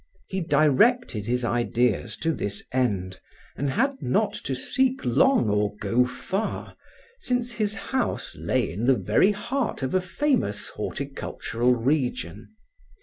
He directed his ideas to this end and had not to seek long or go far, since his house lay in the very heart of a famous horticultural region.